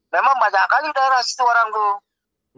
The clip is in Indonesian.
memang banyak kali daerah situ orang tuh